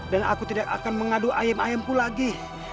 dan aku tidak akan mengadu ayam ayamku lagi